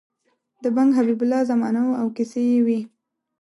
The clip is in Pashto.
د بنګ حبیب الله زمانه وه او کیسې یې وې.